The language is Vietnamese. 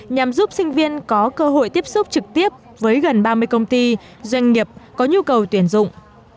nhằm giúp sinh viên có cơ hội tiếp xúc trực tiếp với gần ba mươi công ty doanh nghiệp có nhu cầu tuyển dụng